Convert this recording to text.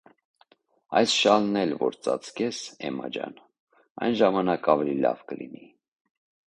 - Այս շալն էլ որ ծածկես, Էմմա ջան, այն ժամանակ ավելի լավ կլինի: